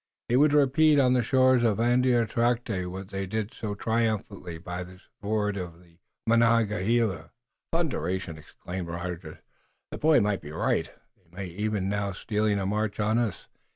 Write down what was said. He would repeat on the shores of Andiatarocte what they did so triumphantly by the ford of the Monongahela." "Thunderation!" exclaimed Rogers. "The boy may be right! They may be even now stealing a march on us!